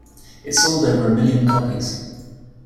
It sold over a million copies.